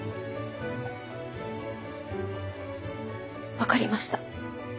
分かりました。